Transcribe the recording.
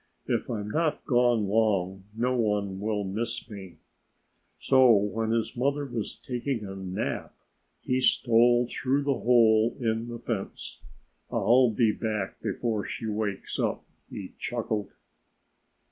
"If I'm not gone long no one will miss me." So when his mother was taking a nap he stole through the hole in the fence. "I'll be back before she wakes up," he chuckled.